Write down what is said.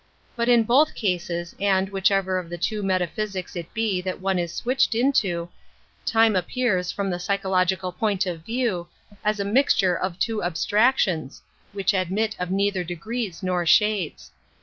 But ij^J both cases, /and whichever of the two meta physics it be that one is switched into,\ time appears, from the psychological point of view, as a mixture of two abstractions, which admit of neither degrees nor shades.